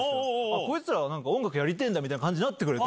こいつら、音楽やりてえんだみたいな感じになってくれて。